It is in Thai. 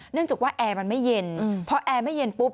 เนื่องจากว่าแอร์มันไม่เย็นพอแอร์ไม่เย็นปุ๊บ